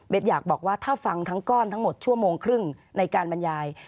อยากบอกว่าถ้าฟังทั้งก้อนทั้งหมดชั่วโมงครึ่งในการบรรยาย